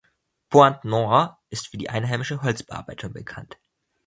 Pointe-Noire ist für die einheimische Holzbearbeitung bekannt.